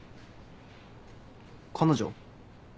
彼女？